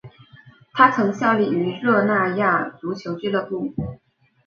他曾效力于热那亚足球俱乐部。